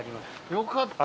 よかった。